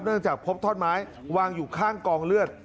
จากพบท่อนไม้วางอยู่ข้างกองเลือด